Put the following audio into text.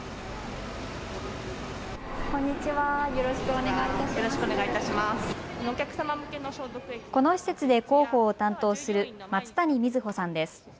この施設で広報を担当する松谷みずほさんです。